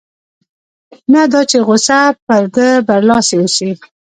نه دا چې غوسه پر ده برلاسې اوسي.